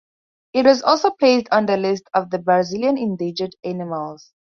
It was also placed on the list of the Brazilian endangered animals.